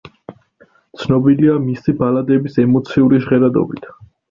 ცნობილია მისი ბალადების ემოციური ჟღერადობით.